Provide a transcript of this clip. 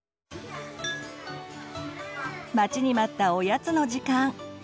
待ちに待ったおやつの時間。